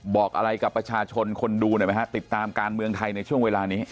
บอกอะไรกับประชาชนคนดูหน่อยไหมฮะติดตามการเมืองไทยในช่วงเวลานี้